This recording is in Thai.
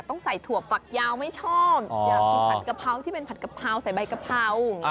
ต้องใส่ถั่วฝักยาวไม่ชอบอยากกินผัดกะเพราที่เป็นผัดกะเพราใส่ใบกะเพรา